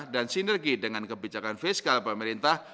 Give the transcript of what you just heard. dan sinergi dengan kebijakan fiskal pemerintah